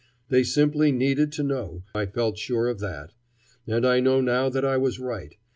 They simply needed to know, I felt sure of that. And I know now that I was right.